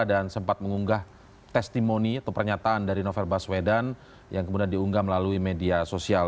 dan sempat mengunggah testimoni atau pernyataan dari novel baswedan yang kemudian diunggah melalui media sosial